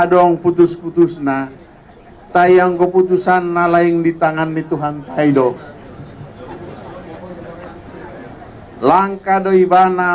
dong putus putus nah tayang keputusan nalain ditangan di tuhan hai doh langka doi bana